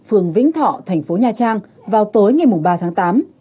phường vĩnh thọ thành phố nha trang vào tối ngày ba tháng tám